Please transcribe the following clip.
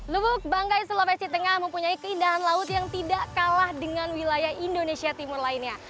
lubuk banggai sulawesi tengah mempunyai keindahan laut yang tidak kalah dengan wilayah indonesia timur lainnya